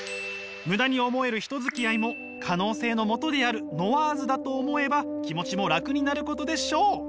ムダに思える人付き合いも可能性のもとであるノワーズだと思えば気持ちも楽になることでしょう！